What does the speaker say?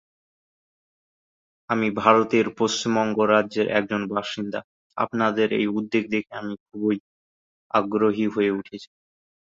চট্টগ্রাম জেলার সীতাকুণ্ড উপজেলার ছোট কুমিরায় ঢাকা-চট্টগ্রাম মহাসড়কের নিকটে অবস্থিত।